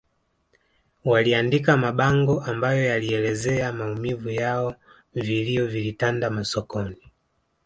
Waliandika mabango ambayo yalielezea maumivu yao vilio vilitanda masokoni